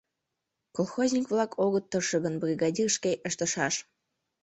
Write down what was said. — Колхозник-влак огыт тырше гын, бригадир шке ыштышаш.